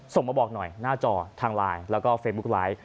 ส่งมาบอกหน่อยหน้าจอทางไลน์แล้วก็เฟซบุ๊กไลฟ์